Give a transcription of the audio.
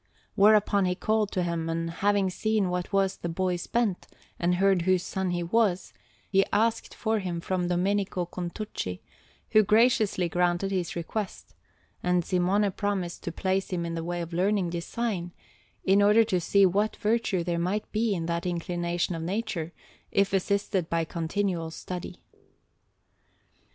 Whereupon he called to him, and, having seen what was the boy's bent, and heard whose son he was, he asked for him from Domenico Contucci, who graciously granted his request; and Simone promised to place him in the way of learning design, in order to see what virtue there might be in that inclination of nature, if assisted by continual study.